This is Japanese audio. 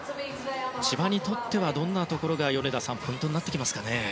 千葉にとっては、どんなところがポイントになってきますかね。